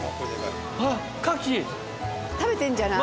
食べていいんじゃない？